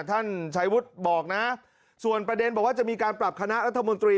ท่านชัยวุฒิบอกนะส่วนประเด็นบอกว่าจะมีการปรับคณะรัฐมนตรี